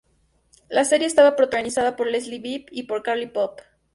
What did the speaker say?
La serie estaba protagonizada por Leslie Bibb y por Carly Pope.